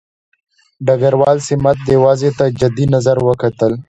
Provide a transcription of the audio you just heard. ډګروال سمیت دې وضع ته جدي نظر کتل.